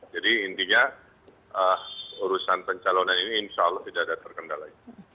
jadi intinya urusan pencalonan ini insya allah tidak ada terkendalai